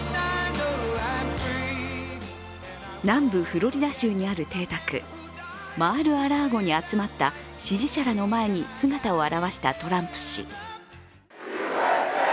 南部フロリダ州にある邸宅、マール・ア・ラーゴに集まった支持者らの前に姿を現したトランプ氏。